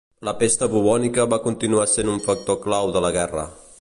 La pesta bubònica va continuar sent un factor clau de la guerra.